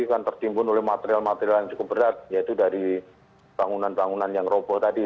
kan tertimbun oleh material material yang cukup berat yaitu dari bangunan bangunan yang roboh tadi